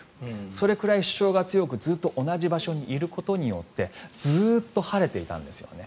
それくらい主張が強くずっと同じ場所にいることによってずっと晴れていたんですよね。